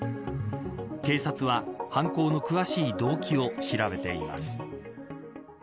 警察は犯行の詳しい動機を調べています。